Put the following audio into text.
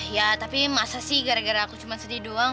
ya tapi masa sih gara gara aku cuma sedih doang